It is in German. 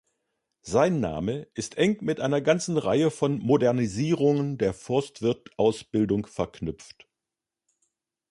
Sein Name ist eng mit einer ganzen Reihe von Modernisierungen der Forstwirt-Ausbildung verknüpft.